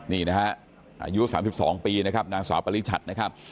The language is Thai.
นี่นะฮะอายุ๓๒ปีนะครับนางสาวปริชัดนะครับ